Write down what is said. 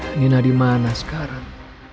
ini nak dimana sekarang